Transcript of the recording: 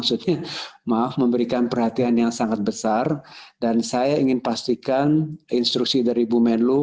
maksudnya maaf memberikan perhatian yang sangat besar dan saya ingin pastikan instruksi dari bu menlu